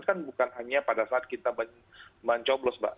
kan bukan hanya pada saat kita mencoblos mbak